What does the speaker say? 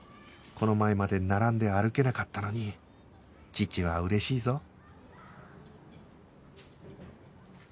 この前まで並んで歩けなかったのに父は嬉しいぞ